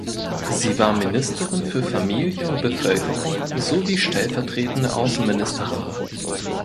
Sie war Ministerin für Familie und Bevölkerung sowie stellvertretende Außenministerin.